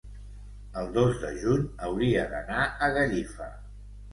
el dos de juny hauria d'anar a Gallifa.